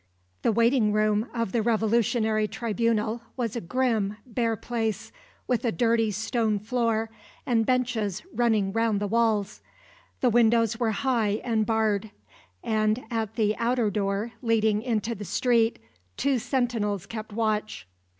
The waiting room of the revolutionary tribunal was a grim, bare place, with a dirty stone floor, and benches running round the walls. The windows were high and barred; and at the outer door, leading into the street, two sentinels kept watch.